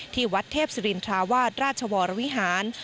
ที่วัดเทพศิรินทราวาสราชวรวิหาร